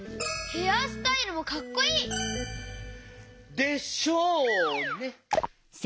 ヘアスタイルもかっこいい！でしょうね。